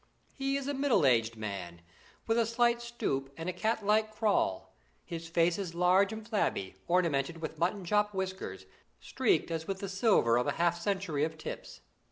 He is a middle aged man, with a slight stoop and a cat like crawl. His face is large and flabby, ornamented with mutton chop whiskers, streaked as with the silver of half a century of tips.